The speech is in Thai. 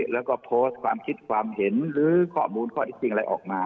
แล้วก็โพสต์ความคิดความเห็นหรือข้อมูลข้อที่จริงอะไรออกมา